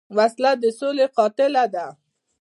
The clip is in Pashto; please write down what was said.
وسله د سولې قاتله ده